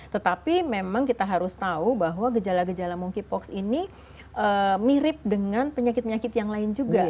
tetapi memang kita harus tahu bahwa gejala gejala monkeypox ini mirip dengan penyakit penyakit yang lain juga